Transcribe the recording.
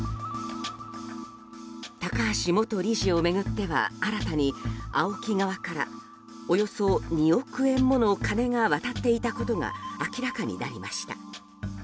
高橋元理事を巡っては新たにＡＯＫＩ側からおよそ２億円もの金が渡っていたことが明らかになりました。